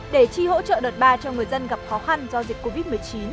để chi hỗ trợ đợt ba cho người dân gặp khó khăn do dịch covid một mươi chín